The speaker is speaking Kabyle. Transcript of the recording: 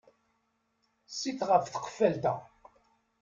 Sit ɣef tqeffalt-a.